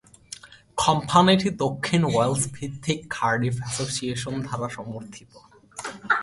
কোম্পানিটি দক্ষিণ ওয়েলস ভিত্তিক কার্ডিফ এভিয়েশন দ্বারা সমর্থিত।